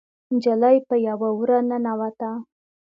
نجلۍ په يوه وره ننوته.